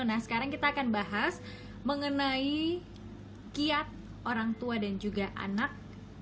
nah sekarang kita akan bahas mengenai kiat orang tua dan juga anak